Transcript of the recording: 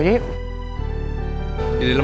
jadi itu dia dulu